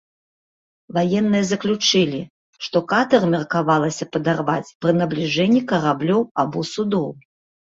Ваенныя заключылі, што катэр меркавалася падарваць пры набліжэнні караблёў або судоў.